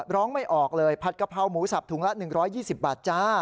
ไม่ออกเลยผัดกะเพราหมูสับถุงละ๑๒๐บาทจ้า